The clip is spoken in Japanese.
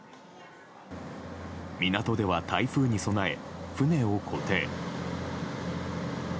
港では台風に備え、船を固定。